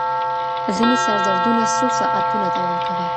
ځینې سردردونه څو ساعتونه دوام کوي.